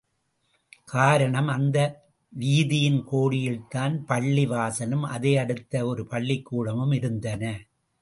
காரணம், அந்த வீதியின் கோடியில்தான் பள்ளி வாசலும், அதையடுத்து ஒரு பள்ளிக் கூடமும் இருந்தன.